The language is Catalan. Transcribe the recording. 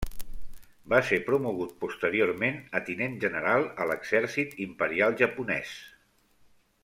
Va ser promogut posteriorment a Tinent General a l'Exèrcit imperial japonès.